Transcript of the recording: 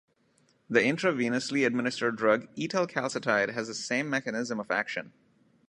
The intravenously administered drug etelcalcetide has the same mechanism of action.